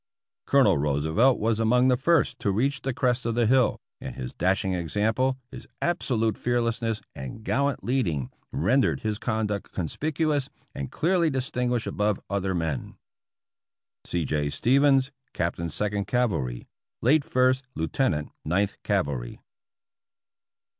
Colonel Roosevelt was among the first to reach the crest of the hill, and his dashing example, his absolute fearlessness and gallant leading rendered his conduct conspicuous and clearly distinguished above other men. C. J. Stevens, Captain Second Cavalry. (Late First Lieutenant Ninth Cavalry.)